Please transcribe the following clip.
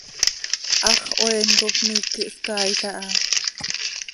Hax hoeen cop miiqui hscaail aha.